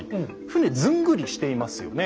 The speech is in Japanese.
船ずんぐりしていますよね。